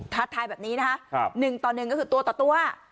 ท้าทายแบบนี้นะคะครับหนึ่งต่อหนึ่งก็คือตัวต่อตัว